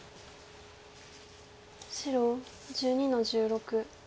白１２の十六。